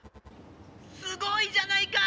すごいじゃないか！